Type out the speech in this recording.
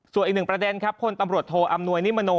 ส่วนอีกหนึ่งประเด็นครับพลตำรวจโทอำนวยนิมโน